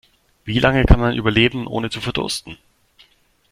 Wie lange kann man überleben, ohne zu verdursten?